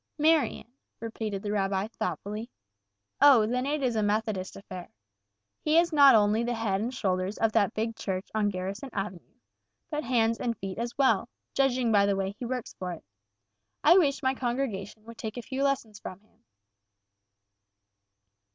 "Marion," repeated the rabbi, thoughtfully. "O, then it is a Methodist affair. He is not only the head and shoulders of that big Church on Garrison Avenue, but hands and feet as well, judging by the way he works for it. I wish my congregation would take a few lessons from him."